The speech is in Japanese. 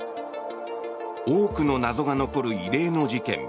多くの謎が残る異例の事件。